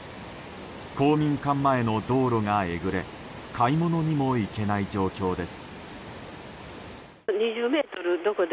公民館前の道路がえぐれ買い物にも行けない状況です。